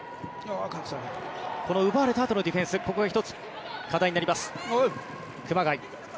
この奪われたあとのディフェンスが１つ課題になります。